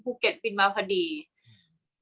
กากตัวทำอะไรบ้างอยู่ตรงนี้คนเดียว